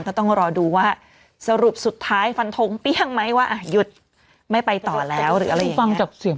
ก็ต้องรอดูว่าสรุปสุดท้ายฟันทงเปรี้ยงไหมว่าหยุดไม่ไปต่อแล้วหรืออะไรอย่างนี้ฟังจบเสียง